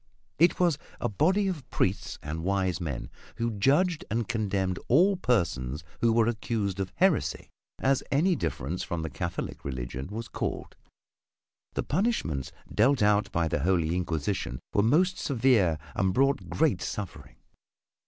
It was a body of Priests and wise men who judged and condemned all persons who were accused of heresy, as any difference from the Catholic religion was called. The punishments dealt out by the Holy Inquisition were most severe and brought great suffering.